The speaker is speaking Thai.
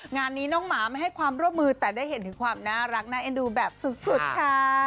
งานนี้น้องหมาไม่ให้ความร่วมมือแต่ได้เห็นถึงความน่ารักน่าเอ็นดูแบบสุดค่ะ